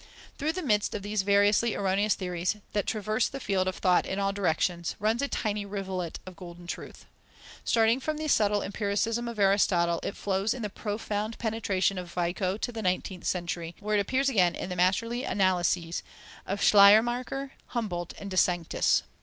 Through the midst of these variously erroneous theories, that traverse the field of thought in all directions, runs a tiny rivulet of golden truth. Starting from the subtle empiricism of Aristotle, it flows in the profound penetration of Vico to the nineteenth century, where it appears again in the masterly analyses of Schleiermacher, Humboldt, and De Sanctis.